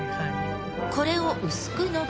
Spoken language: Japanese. これを薄くのばすと。